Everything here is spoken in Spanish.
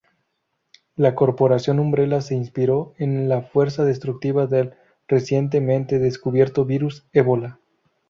La Corporación Umbrella se inspiró en la fuerza destructiva del recientemente descubierto Virus Ébola.